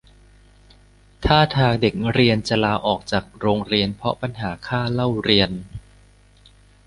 ท่าทางเด็กนักเรียนจะลาออกจากโรงเรียนเพราะปัญหาค่าเล่าเรียน